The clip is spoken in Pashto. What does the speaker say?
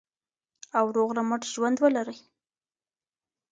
او روغ رمټ ژوند ولرئ.